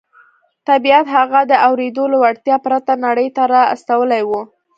طبیعت هغه د اورېدو له وړتیا پرته نړۍ ته را استولی و